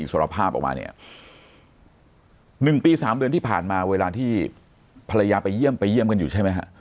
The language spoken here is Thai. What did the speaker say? สารภาพออกมาเนี่ย๑ปี๓เดือนที่ผ่านมาเวลาที่ภรรยาไปเยี่ยมไปเยี่ยมกันอยู่ใช่ไหมฮะ